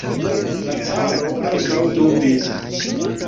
La caro ankaŭ dubis.